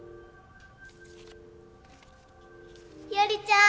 日和ちゃん！